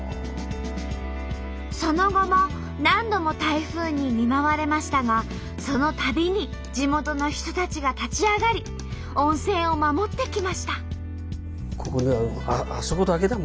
その後も何度も台風に見舞われましたがそのたびに地元の人たちが立ち上がり温泉を守ってきました。